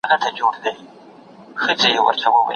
موږ بايد د ورانکارۍ مخه ونيسو.